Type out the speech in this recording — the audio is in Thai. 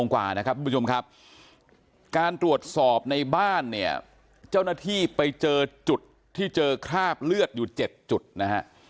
กว่านะครับทุกผู้ชมครับการตรวจสอบในบ้านเนี่ยเจ้าหน้าที่ไปเจอจุดที่เจอคราบเลือดอยู่๗จุดนะฮะ